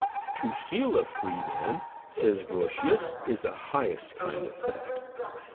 To steal a free man, says Grotius, is the highest kind of theft.